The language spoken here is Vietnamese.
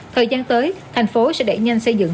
thời gian tới thành phố sẽ đẩy nhanh xây dựng